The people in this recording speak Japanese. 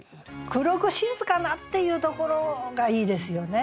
「黒く静かな」っていうところがいいですよね。